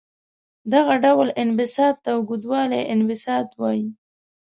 دغه ډول انبساط ته اوږدوالي انبساط وايي.